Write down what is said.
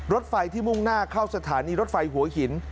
รถไฟที่มุ่งหน้าเข้าสถานีรถไฟหัวหิน